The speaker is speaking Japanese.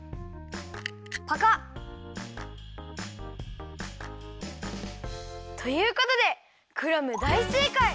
パカッ！ということでクラムだいせいかい！